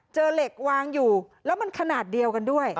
เหล็กวางอยู่แล้วมันขนาดเดียวกันด้วย